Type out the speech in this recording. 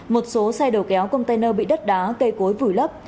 một số xe đầu kéo container bị đất đá cây cối vùi lấp